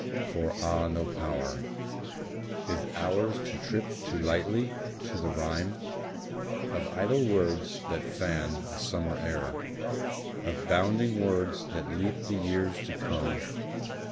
For ah, no power Is ours to trip too lightly to the rhyme Of idle words that fan the summer air, Of bounding words that leap the years to come.